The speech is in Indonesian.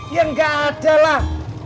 ya nggak ada lah